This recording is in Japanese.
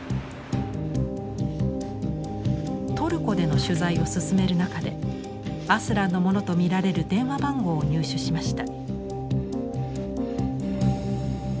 トルコでの取材を進める中でアスランのものと見られる電話番号を入手しました。